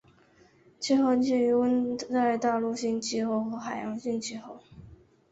气候介于温带大陆性气候和海洋性气候。